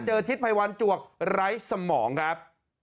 ทิศภัยวันจวกไร้สมองครับ